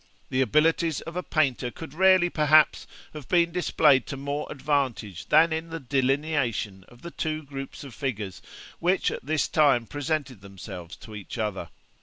'The abilities of a painter could rarely, perhaps, have been displayed to more advantage than in the delineation of the two groups of figures which at this time presented themselves to each other.